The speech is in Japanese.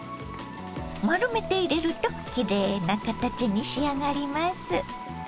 丸めて入れるときれいな形に仕上がります。